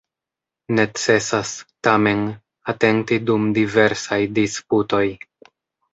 Necesas, tamen, atenti dum diversaj disputoj.